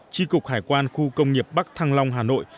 tri cục hải quan khu công nghiệp bắc thăng long hà nội